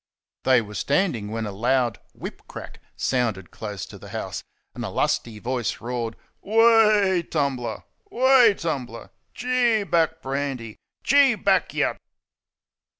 They were standing when a loud whip crack sounded close to the house, and a lusty voice roared: "Wah Tumbler! Wah Tumbler! Gee back, Brandy! Gee back, you